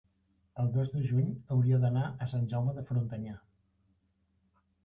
el dos de juny hauria d'anar a Sant Jaume de Frontanyà.